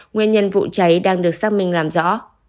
nguyên nhân vụ cháy đang được xác minh làm rõ